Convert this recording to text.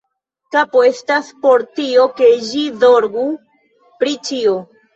Kapo estas por tio, ke ĝi zorgu pri ĉio.